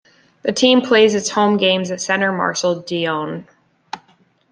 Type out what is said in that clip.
The team plays its home games at Centre Marcel Dionne.